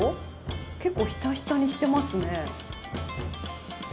結構ひたひたにしていますね。